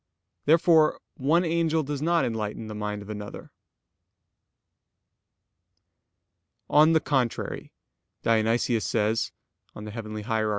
Therefore one angel does not enlighten the mind of another. On the contrary, Dionysius says (Coel. Hier.